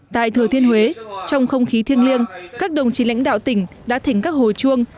tại thừa thiên huế trong không khí thiêng liêng các đồng chí lãnh đạo tỉnh đã thỉnh các hồ chuông